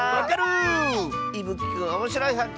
いぶきくんおもしろいはっけん